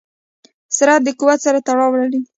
سرعت د قوت سره تړاو لري.